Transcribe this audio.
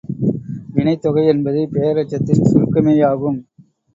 வினைத் தொகை என்பது பெயரெச்சத்தின் சுருக்கமேயாகும்.